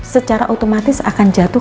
secara otomatis akan jatuh